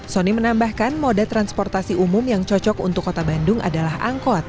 sony menambahkan moda transportasi umum yang cocok untuk kota bandung adalah angkot